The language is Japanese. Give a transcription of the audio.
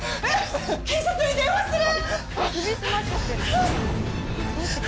警察に電話する！